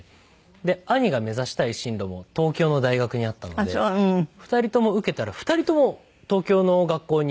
で兄が目指したい進路も東京の大学にあったので２人とも受けたら２人とも東京の学校に受かったんですよ。